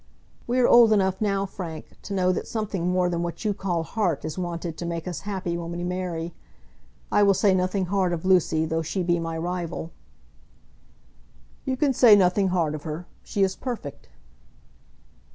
"We are old enough now, Frank, to know that something more than what you call heart is wanted to make us happy when we marry. I will say nothing hard of Lucy, though she be my rival." "You can say nothing hard of her. She is perfect."